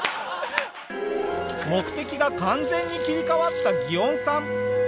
目的が完全に切り替わったギオンさん。